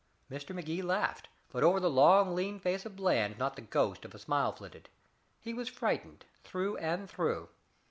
Mr. Magee laughed, but over the long lean face of Bland not the ghost of a smile flitted. He was frightened, through and through.